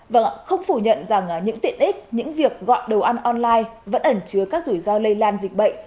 và không phủ nhận rằng những tiện ích những việc gọn đồ ăn online vẫn ẩn chứa các rủi ro lây lan dịch bệnh